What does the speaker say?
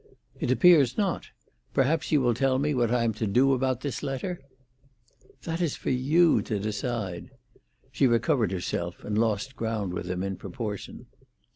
"It appears not. Perhaps you will tell me what I am to do about this letter?" "That is for you to decide." She recovered herself, and lost ground with him in proportion.